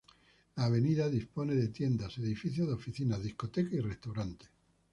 La avenida dispone de tiendas, edificios de oficinas, discotecas y restaurantes.